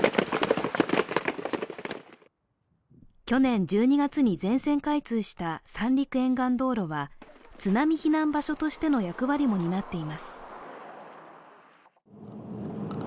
去年１２月に全線開通した三陸沿岸道路は津波避難場所としての役割も担っています。